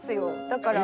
だから。